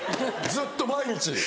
ずっと毎日！